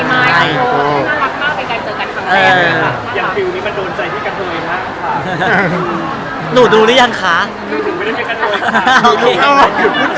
คือถ้าเป็นคนเดียวก็คือจะตื่นเต้น